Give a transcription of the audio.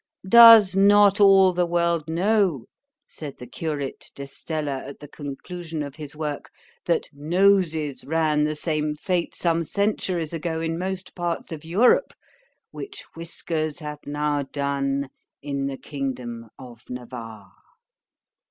Does not all the world know, said the curate d'Estella at the conclusion of his work, that Noses ran the same fate some centuries ago in most parts of Europe, which Whiskers have now done in the kingdom of _Navarre?